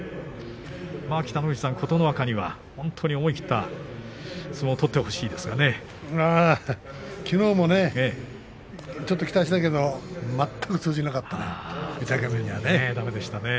北の富士さん、琴ノ若には本当に思い切った相撲をきのうもねちょっと期待したけども全く通じなかったね御嶽海にはね。